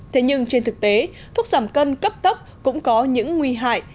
thế nhưng trên thực tế thuốc giảm cân cấp tốc cũng có những nguy hại